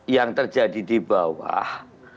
yang terjadi di bawah